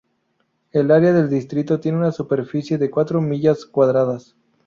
El área del distrito tiene una superficie de cuatro millas cuadradas.